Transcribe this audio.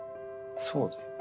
そうだよ。